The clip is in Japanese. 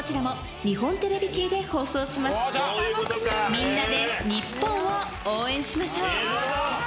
みんなで日本を応援しましょう。